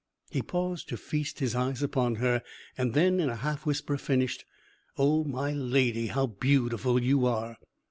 He paused to feast his eyes upon her, and then in a half whisper finished, "Oh, my Lady, how beautiful you are!"